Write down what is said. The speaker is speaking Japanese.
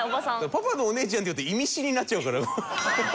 「パパのおねえちゃん」って言うと意味深になっちゃうから。